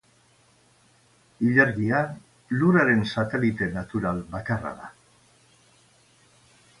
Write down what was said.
Ilargia Lurraren satelite natural bakarra da.